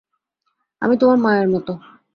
আমি তোমার মায়ের মত।